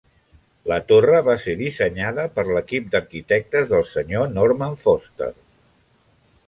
La torre va ser dissenyada per l'equip d'arquitectes del senyor Norman Foster.